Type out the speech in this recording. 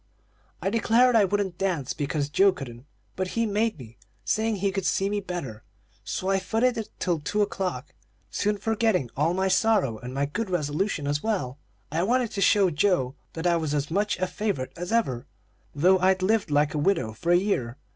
"I declared I wouldn't dance, because Joe couldn't; but he made me, saying he could see me better; so I footed it till two o'clock, soon forgetting all my sorrow and my good resolutions as well. I wanted to show Joe that I was as much a favorite as ever, though I'd lived like a widow for a year.